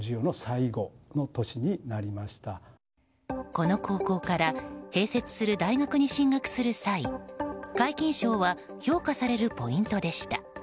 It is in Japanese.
この高校から併設する大学に進学する際皆勤賞は評価されるポイントでした。